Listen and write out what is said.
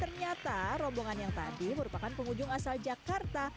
ternyata rombongan yang tadi merupakan pengunjung asal jakarta